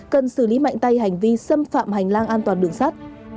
cần xử lý mạnh tay hành vi xâm phạm hành lang an toàn đường sắt